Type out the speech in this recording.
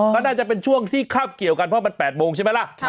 ก็น่าจะเป็นช่วงที่คาบเกี่ยวกันเพราะมัน๘โมงใช่ไหมล่ะ